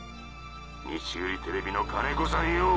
日売テレビの金子さんよぉ。